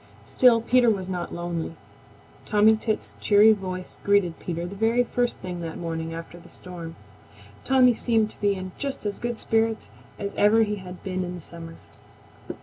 Still Peter was not lonely. Tommy Tit's cheery voice greeted Peter the very first thing that morning after the storm. Tommy seemed to be in just as good spirits as ever he had been in summer.